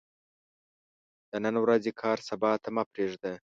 د نن ورځې کار سبا ته مه پريږده